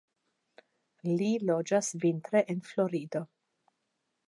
Li loĝas vintre en Florido.